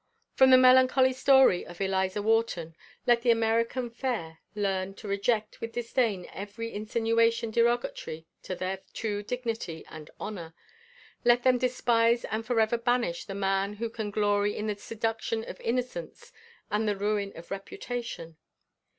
From the melancholy story of Eliza Wharton let the American fair learn to reject with disdain every insinuation derogatory to their true dignity and honor. Let them despise and forever banish the man who can glory in the seduction of innocence and the ruin of reputation.